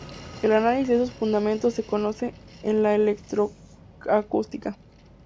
El análisis de estos fundamentos se conoce en la Electroacústica